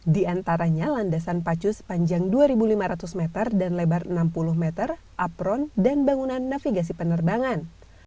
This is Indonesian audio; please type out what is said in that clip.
di antaranya landasan pacu sepanjang dua lima ratus meter dan lebar enam puluh meter apron dan bangunan navigasi penerbangan